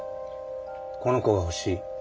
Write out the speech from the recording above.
この子が欲しい。